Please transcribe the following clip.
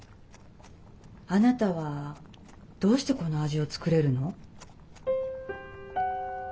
あなたはどうしてこの味を作れるの？